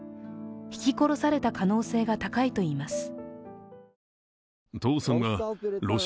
ひき殺された可能性が高いといいます。